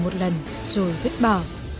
một lần rồi huyết bỏ